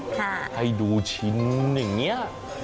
ให้ดูชิ้นอย่างนี้